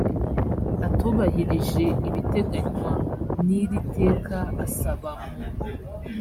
atubahirije ibiteganywa n iri teka asaba mu